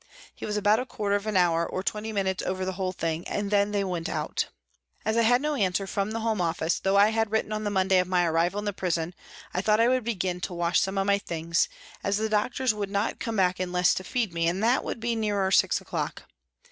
He was about a quarter of an hour or twenty minutes over the whole thing, then they went out. As I had no answer from the Home Office, though I had written on the Monday of my arrival in the prison, I thought I would begin to wash some of my NEWCASTLE PRISON 231 things, as the doctors would not come back unless to feed me, and that would be nearer six o'clock.